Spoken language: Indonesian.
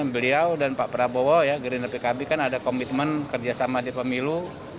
beliau dan pak prabowo ya gerindra pkb kan ada komitmen kerjasama di pemilu